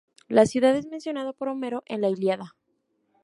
La ciudad es mencionada por Homero en la "Ilíada".